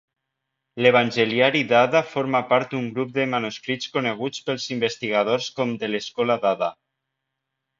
L'Evangeliari d'Ada forma part d'un grup de manuscrits coneguts pels investigadors com de l'Escola d'Ada.